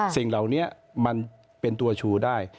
สิ่งเหล่านี้มันเป็นตัวชูได้